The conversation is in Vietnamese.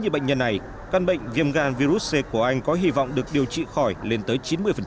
như bệnh nhân này căn bệnh viêm gan virus c của anh có hy vọng được điều trị khỏi lên tới chín mươi